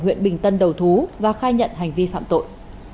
huyện bình tân đầu thú và khai nhận hành vi phạm tội